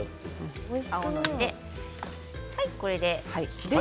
これで。